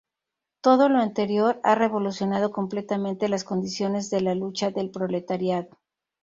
Todo lo anterior "ha revolucionado completamente las condiciones de la lucha del proletariado.